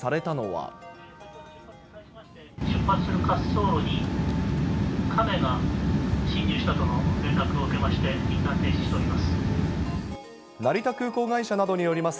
出発する滑走路に、カメが侵入したとの連絡を受けまして、いったん停止しております。